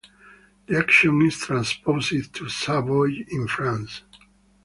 The action is transposed to Savoie in France.